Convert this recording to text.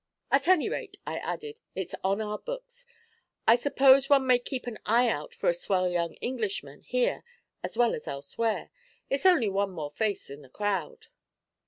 'At any rate,' I added, 'it's on our books. I suppose one may keep an eye out for a swell young Englishman here as well as elsewhere. It's only one more face in the crowd.'